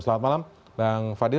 selamat malam bang fadil